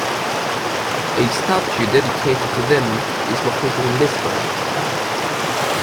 A statue dedicated to them is located in Lisbon.